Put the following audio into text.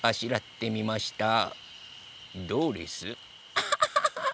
アハハハ！